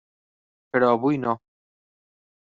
Però avui no.